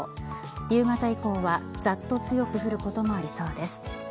夕方以降はざっと強く降ることもありそうです。